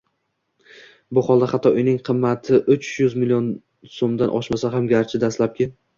Bu holda, hatto uyning qiymati uch yuz million so'mdan oshmasa ham, garchi dastlabki